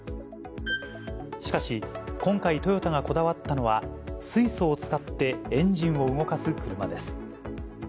しかし、今回、トヨタがこだわったのは、水素を使ってエンジンを動かす車です。